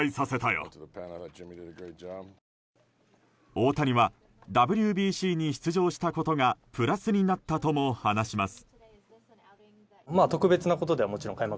大谷はＷＢＣに出場したことがプラスになったとも話します。